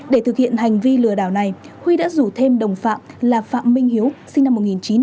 để thực hiện hành vi lừa đảo này huy đã rủ thêm đồng phạm là phạm minh hiếu sinh năm một nghìn chín trăm tám mươi